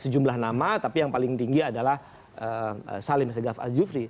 sejumlah nama tapi yang paling tinggi adalah salim segaf al jufri